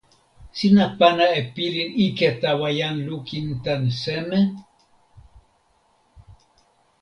sina pana e pilin ike tawa jan lukin tan seme?